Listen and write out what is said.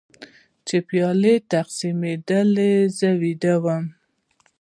چې پیالې تقسیمېدلې زه ویده وم.